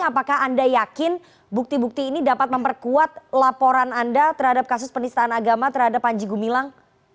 apakah anda yakin bukti bukti ini dapat memperkuat laporan anda terhadap kasus penistaan agama terhadap panji gumilang